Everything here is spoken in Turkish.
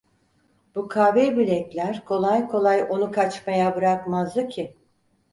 Bu kavi bilekler kolay kolay onu kaçmaya bırakmazdı ki…